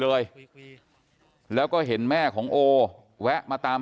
กลุ่มตัวเชียงใหม่